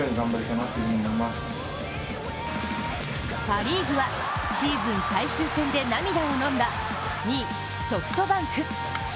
パ・リーグは、シーズン最終戦で涙をのんだ２位・ソフトバンク。